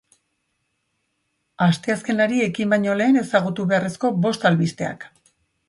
Asteazkenari ekin baino lehen ezagutu beharreko bost albisteak.